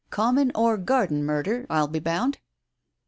Common or garden murder, I'll be bound."